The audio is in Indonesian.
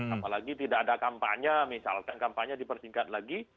apalagi tidak ada kampanye misalkan kampanye dipersingkat lagi